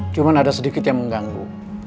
cuma ada sedikit yang mengganggu